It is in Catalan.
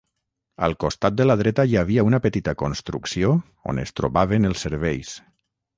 Al costat de la dreta hi havia una petita construcció on es trobaven els serveis.